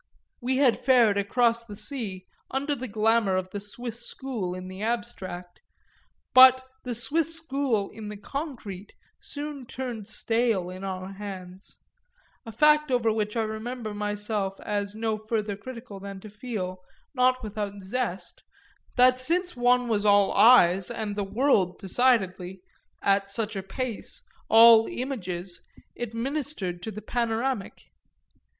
We had fared across the sea under the glamour of the Swiss school in the abstract, but the Swiss school in the concrete soon turned stale on our hands; a fact over which I remember myself as no further critical than to feel, not without zest, that, since one was all eyes and the world decidedly, at such a pace, all images, it ministered to the panoramic.